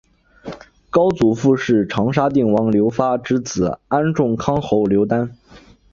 高祖父是长沙定王刘发之子安众康侯刘丹。